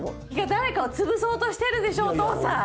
誰かを潰そうとしてるでしょお父さん。